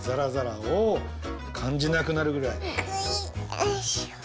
よいしょ。